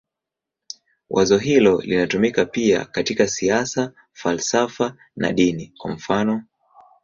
Wazo hilo linatumika pia katika siasa, falsafa na dini, kwa mfanof.